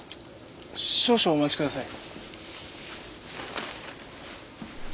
少々お待ちください。